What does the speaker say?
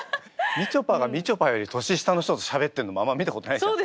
みちょぱがみちょぱより年下の人としゃべってるのもあんま見たことないから。